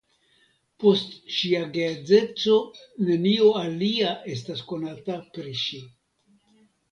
Post ŝia geedzeco nenio alia estas konata pri ŝi.